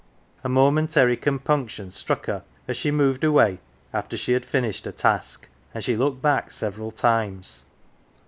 A momentary compunction struck her as she moved away after she had finished her task, and she looked back several times.